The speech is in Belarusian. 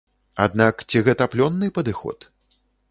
Аднак ці гэта плённы падыход?